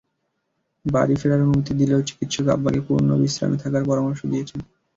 বাড়ি ফেরার অনুমতি দিলেও চিকিত্সক আব্বাকে পূর্ণ বিশ্রামে থাকার পরামর্শ দিয়েছেন।